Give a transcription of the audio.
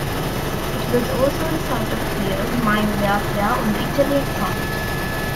It was also the site of fierce mine warfare on the Italian Front.